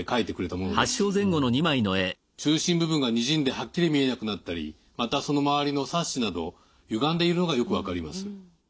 中心部分がにじんではっきり見えなくなったりまたその周りのサッシなどゆがんでいるのがよく分かります。